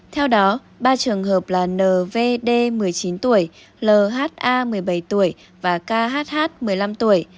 theo đó ba trường hợp là nvd một mươi chín tuổi lha một mươi bảy tuổi và khh một mươi năm tuổi